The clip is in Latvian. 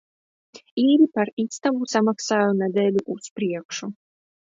Īri par istabu samaksāju nedēļu uz priekšu.